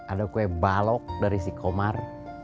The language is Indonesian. ada kue balok dari si komar